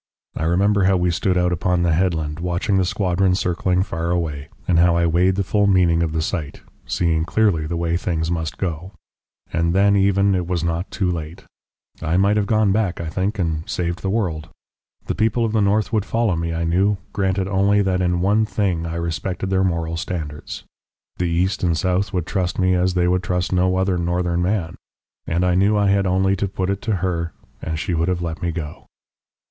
I remember how we stood out upon the headland watching the squadron circling far away, and how I weighed the full meaning of the sight, seeing clearly the way things must go. And then even it was not too late. I might have gone back, I think, and saved the world. The people of the north would follow me, I knew, granted only that in one thing I respected their moral standards. The east and south would trust me as they would trust no other northern man. And I knew I had only to put it to her and she would have let me go....